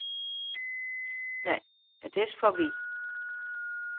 Nee, it is fuortby.